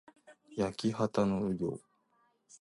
やきはたのうぎょう